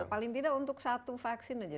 paling tidak untuk satu vaksin saja